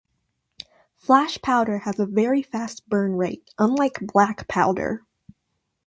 Flash powder has a very fast burn rate, unlike black powder.